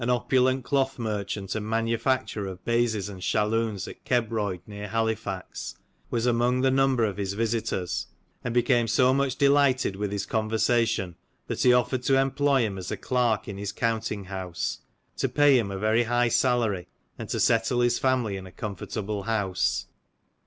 opulent cloth merchant and manu facturer of baizes and shalloons, at Kebroyd, near Halifax, was among the number of his visitors, and became so much delighted with his conversation, that he offered to employ him as a clerk in his counting house, to pay him a very high salary, and to settle his family in a comfortable house.